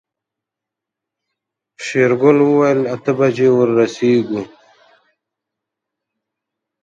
شېرګل وويل اته بجې ورسيږو.